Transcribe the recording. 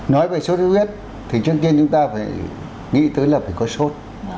nói về sốt huyết thì trước tiên chúng ta phải nghĩ tới là phải có sốt